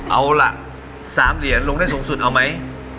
เอาล่ะ๓เหรียญลงได้สูงสุดเอาไหม